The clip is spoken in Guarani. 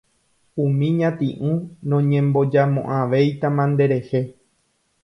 umi ñati'ũ noñembojamo'ãvéitama nderehe